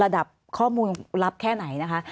ระดับข้อมูลลับแค่ไหนนะคะ